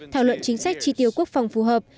thảo luận chính sách tri tiêu quốc phòng phù hợp